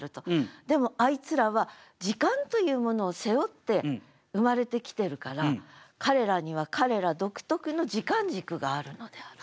でもあいつらは時間というものを背負って生まれてきてるから彼らには彼ら独特の時間軸があるのであろうという。